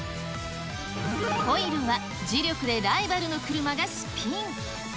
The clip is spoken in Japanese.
コイルは磁力でライバルの車がスピン。